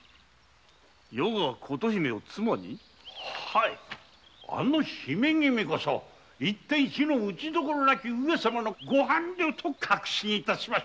余が琴姫を妻に⁉はいあの姫こそ非の打ちどころなき上様のご伴侶と確信致しました。